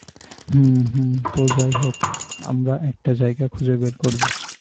হুম, হুম, তো যাইহোক, আমরা একটা জায়গা খুঁজে বের করব।